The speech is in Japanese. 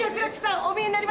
お見えになりました！